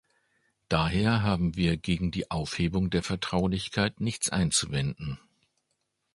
Daher haben wir gegen die Aufhebung der Vertraulichkeit nichts einzuwenden.